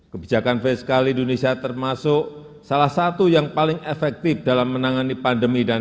kebijakan fiskal indonesia termasuk salah satu yang paling efektif dalam menangani pandemi dan